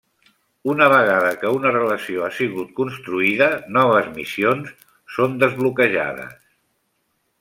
Una vegada que una relació ha sigut construïda noves missions són desbloquejades.